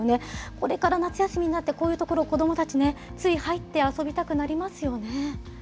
これから夏休みになって、こういう所、子どもたちね、つい入って遊びたくなりますよね。